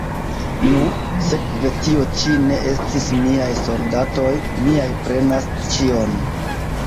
Nu, sekve tio ĉi ne estis miaj soldatoj; miaj prenas ĉion.